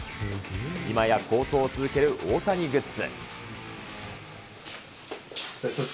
今や高騰を続ける大谷グッズ。